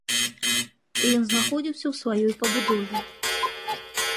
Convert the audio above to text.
Ён знаходзіўся ў сваёй пабудове.